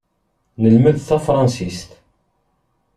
Nelmed tafṛansist.